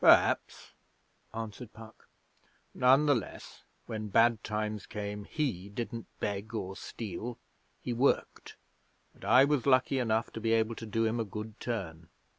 'Perhaps,' answered Puck. 'None the less, when bad times came, he didn't beg or steal. He worked; and I was lucky enough to be able to do him a good turn.'